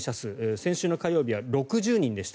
先週の火曜日は６０人でした。